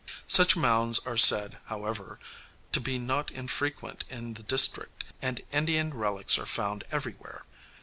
Such mounds are said, however, to be not infrequent in this district, and Indian relics are found everywhere.